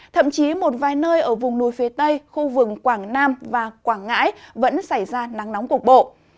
thậm chí một vài nơi ở vùng núi phía tây khu vực quảng nam và quảng ngãi vẫn xảy ra nắng nóng cục bộ